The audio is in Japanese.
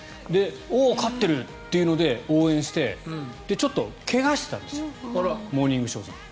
おお、勝ってるっていうので応援してで、ちょっと怪我をしたんですよモーニングショーが。